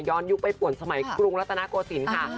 ยุคไปป่วนสมัยกรุงรัตนโกศิลป์ค่ะ